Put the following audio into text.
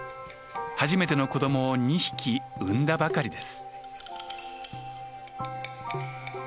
初めての子どもを２匹産んだばかりです。